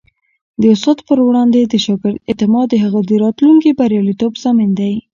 د استاد پر وړاندې د شاګرد اعتماد د هغه د راتلونکي بریالیتوب ضامن دی.